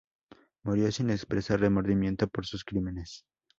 Murió sin expresar remordimiento por sus crímenes.